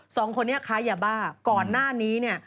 สองคนนี้ค้ายาบ้าก่อนหน้านี้เนี่ย